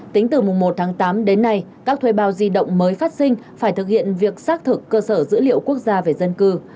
tính từ mùng một tháng tám đến nay các thuê bao di động mới phát sinh phải thực hiện việc xác thực cơ sở dữ liệu quốc gia về dân cư